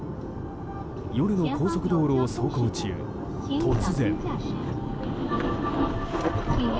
夜の高速道路を走行中突然。